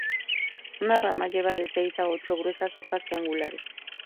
Una rama lleva de seis a ocho gruesas hojas triangulares.